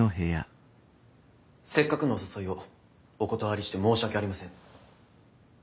せっかくのお誘いをお断りして申し訳ありません。